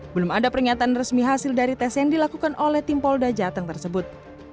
belum ada pernyataan resmi hasil dari tes yang dilakukan oleh tim polda jateng tersebut